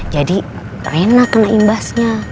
jadi rena kena imbasnya